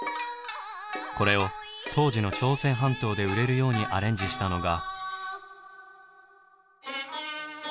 これを当時の朝鮮半島で売れるようにアレンジしたのが。